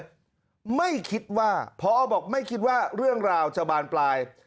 พอบอกว่าไม่คิดว่าเรื่องราวจะบานปลาย